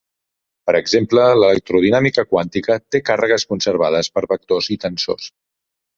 Per exemple, l'electrodinàmica quàntica té càrregues conservades per vectors i tensors.